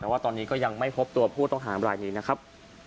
แต่ว่าตอนนี้ก็ยังไม่พบตัวผู้ต้องหามรายนี้นะครับ